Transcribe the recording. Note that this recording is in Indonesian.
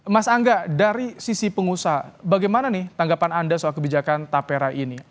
mas angga dari sisi pengusaha bagaimana nih tanggapan anda soal kebijakan tapera ini